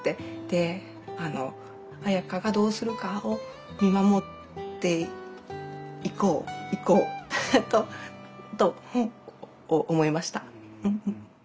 で彩夏がどうするかを見守っていこういこうと思いました。